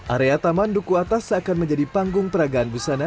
area taman duku atas seakan menjadi panggung peragaan busana